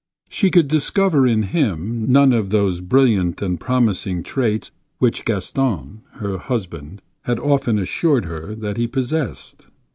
She could discover in him none of those brilliant and promising traits which Gaston, her husband, had often assured her that he possessed.